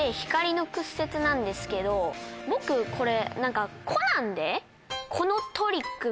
僕これ。